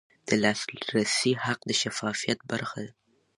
د لاسرسي حق د شفافیت برخه ده.